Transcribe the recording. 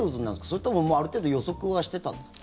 それともある程度予測はしてたんですか？